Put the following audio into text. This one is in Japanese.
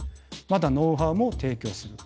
またノウハウも提供する。